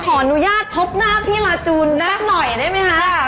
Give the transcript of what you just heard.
ขออนุญาตพบหน้าพี่ลาจูนยากหน่อยได้ไหมคะ